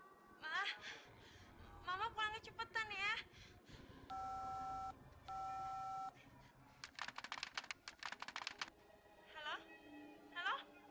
jalan kung jalan se di sini ada pesta besar besaran